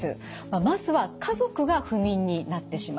まずは家族が不眠になってしまう。